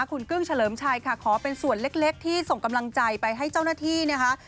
คุณกึ้งเฉลิมชัยค่ะขอเป็นส่วนเล็กที่ส่งกำลังใจไปให้เจ้าหน้าที่นะคะ